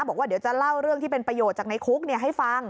บอกว่าเดี๋ยวจะเล่าเรื่องที่เป็นประโยชน์จากในคุกให้ฟัง